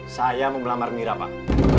saya mau melamar mira pak